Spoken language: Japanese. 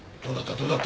どうだった？